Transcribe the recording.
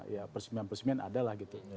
ya persimian persimian ada lah gitu